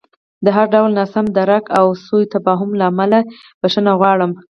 د هر ډول ناسم درک او سوء تفاهم له امله بښنه غواړم.